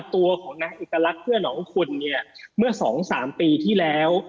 ตัวของนายเอกลักษณ์เพื่อนองคุณเมื่อ๒๓ปีที่แล้ว